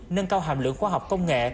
nâng cao hàm lượng khoa học công nghệ